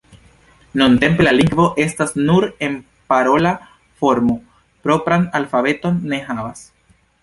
Nuntempe la lingvo estas nur en parola formo, propran alfabeton ne havas.